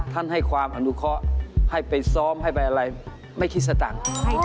ท่านให้ความอนุเคาะให้ไปซ้อมให้ไปอะไรไม่คิดจะต่าง